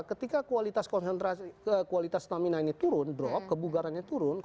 ketika kualitas stamina ini turun drop kebugarannya turun